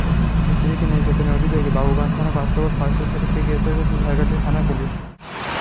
স্ত্রীকে নির্যাতনের অভিযোগে বাবুগঞ্জ থানার কনস্টেবল ফয়সাল শরীফকে গ্রেপ্তার করেছে ঝালকাঠির থানার পুলিশ।